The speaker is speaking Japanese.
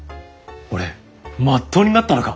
俺まっとうになったのか？